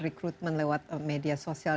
rekrutmen lewat media sosial